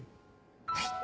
はい。